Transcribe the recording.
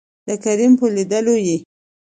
دکريم په لېدولو يې